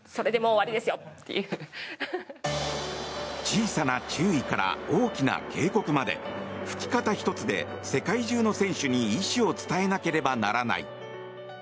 小さな注意から大きな警告まで吹き方１つで世界中の選手に意思を伝えなければならない。